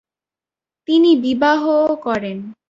তিনি বিবাহ ও করেন।